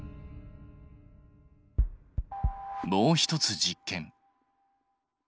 もう一つ実験。